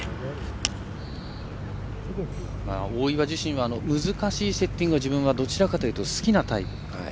大岩自身は難しいセッティングが自分はどちらかというと好きなタイプ。